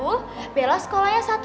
kayaknya waktu bella sekolah di jerman itu